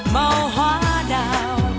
màu hoa đào